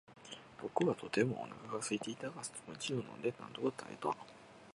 僕はとてもお腹がすいていたが、スムージーを飲んでなんとか耐えた。